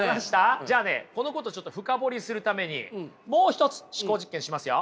じゃあねこのことを深掘りするためにもう一つ思考実験しますよ。